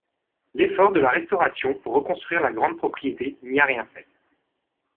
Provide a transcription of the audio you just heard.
L'effort de la Restauration pour reconstruire la grande propriété n'y a rien fait.